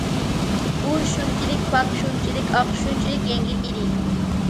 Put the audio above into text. ئۇ شۇنچىلىك پاك، شۇنچىلىك ئاق، شۇنچىلىك يەڭگىل ئىدى.